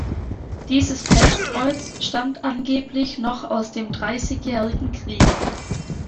Dieses Pestkreuz stammt angeblich noch aus dem Dreißigjährigen Krieg.